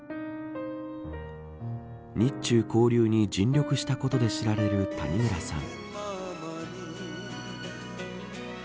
日中交流に尽力したことで知られる谷村さん。